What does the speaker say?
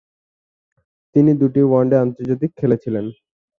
তিনি দুটি ওয়ানডে আন্তর্জাতিক খেলেছিলেন।